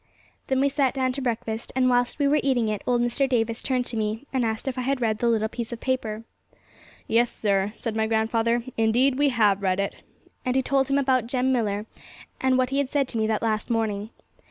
Then we sat down to breakfast; and whilst we were eating it, old Mr. Davis turned to me, and asked if I had read the little piece of paper. 'Yes, sir,' said my grandfather, 'indeed we have read it;' and he told him about Jem Millar, and what he had said to me that last morning.